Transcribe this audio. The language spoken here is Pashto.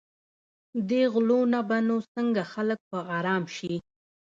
دې غلو نه به نو څنګه خلک په آرام شي.